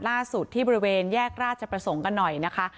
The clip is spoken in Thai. ล่าสุดที่บริเวณแยกราชประสงค์กันหน่อยนะคะ